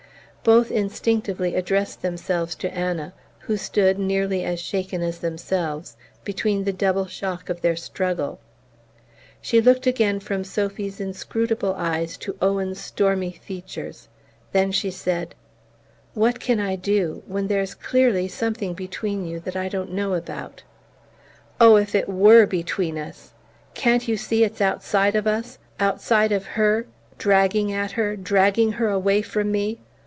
Both instinctively addressed themselves to Anna, who stood, nearly as shaken as themselves, between the double shock of their struggle. She looked again from Sophy's inscrutable eyes to Owen's stormy features; then she said: "What can I do, when there's clearly something between you that I don't know about?" "Oh, if it WERE between us! Can't you see it's outside of us outside of her, dragging at her, dragging her away from me?"